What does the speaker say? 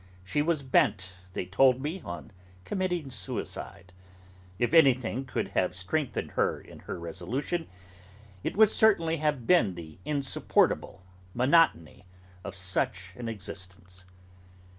She was bent, they told me, on committing suicide. If anything could have strengthened her in her resolution, it would certainly have been the insupportable monotony of such an existence.